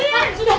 bersih kak bersih